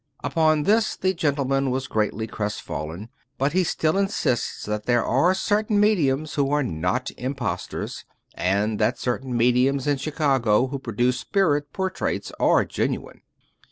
Upon this the gentleman was greatly crestfallen, but he still insists that there are certain mediums who are not impostors; and that certain mediums in Chi cago who produce spirit portraits are genuine.